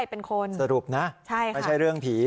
เป็นคนสรุปนะไม่ใช่เรื่องผี